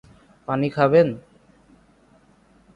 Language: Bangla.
পানি খাবেন?